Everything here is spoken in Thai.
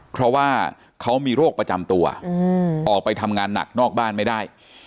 เพราะว่าเขามีโรคประจำตัวออกไปทำงานหนักนอกบ้านไม่ได้